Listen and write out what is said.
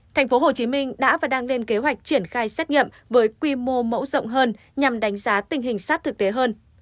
thành phố hồ chí minh đã và đang lên kế hoạch triển khai xét nghiệm với quy mô mẫu rộng hơn nhằm đánh giá tình hình sát thực tế hơn